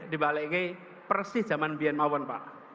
di balik kempe persis zaman biar maupun pak